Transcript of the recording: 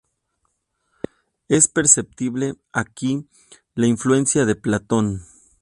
Es perceptible aquí la influencia de Platón.